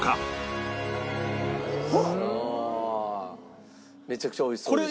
さあめちゃくちゃおいしそうでした。